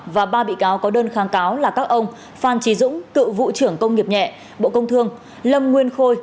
và ba bị cáo có đơn kháng cáo là các ông phan trí dũng cựu vụ trưởng công nghiệp nhẹ bộ công thương lâm nguyên khôi